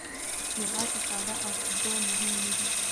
یوازې ساده اوبه مهمې نه دي.